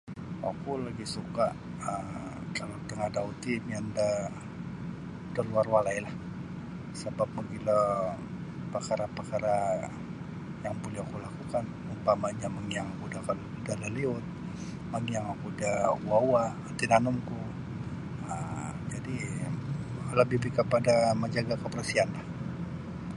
Oku lagi' suka' um kalau tangadau ti miyan da da luar walailah sabap mogilo pakara'-pakara' yang buli oku lakukan umpamanyo mangiyang oku da ka da liliut mangiyang oku da uwa'-uwa' tinanumku um jadi' labih kapada manjaga' kebersihanlah.